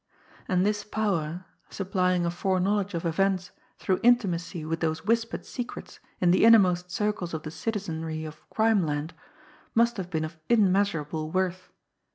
And this power, supplying a foreknowledge of events through intimacy with those whispered secrets in the innermost circles of the citizenry of crimeland, must have been of immeasurable worth.